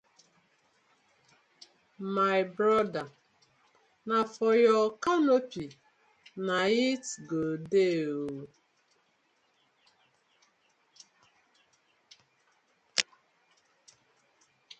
My broda na for yur canopy na it go dey ooo.